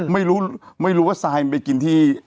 ไม่รู้ว่าไซล์ท์ไปกินที่